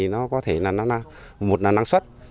nó có thể là một là năng suất